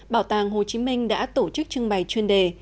bảo tàng hồ chí minh đã tổ chức trưng bày chuyên đề